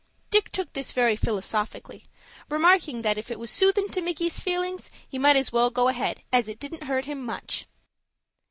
Dick took this very philosophically, remarking that, "if it was soothin' to Micky's feelings, he might go ahead, as it didn't hurt him much."